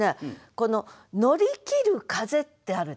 この「乗り切る風」ってあるでしょ。